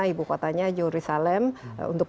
ibu kotanya yurisalem untuk